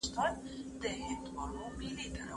ما هم د جهاني له غزل زېری دی اخیستی